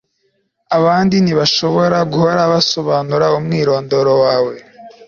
abandi ntibashobora guhora basobanura umwirondoro wawe